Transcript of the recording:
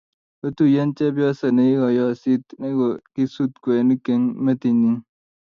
kotuyien chepyose ni kikoyosit nekokisut kwenik eng' metit nyin.